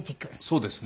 そうですね。